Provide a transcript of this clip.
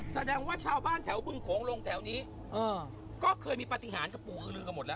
แสดงว่าชาวบ้านแถวบึงโขงลงแถวนี้ก็เคยมีปฏิหารกับปู่อือลือกันหมดแล้ว